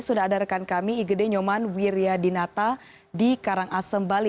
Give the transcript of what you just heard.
sudah ada rekan kami igede nyoman wiryadinata di karangasem bali